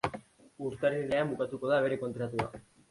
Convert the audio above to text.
Urtarrilean bukatuko da bere kontratua.